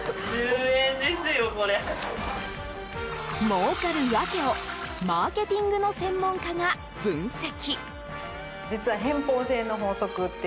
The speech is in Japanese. もうかる訳をマーケティングの専門家が分析。